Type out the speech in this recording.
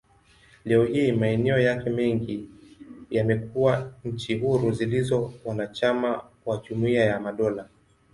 Leo hii, maeneo yake mengi yamekuwa nchi huru zilizo wanachama wa Jumuiya ya Madola.